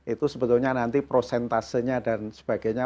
itu sebetulnya nanti prosentasenya dan sebagainya